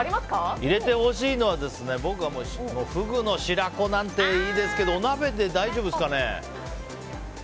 入れてほしいのは僕のフグの白子なんていいですけどお鍋で大丈夫ですかね？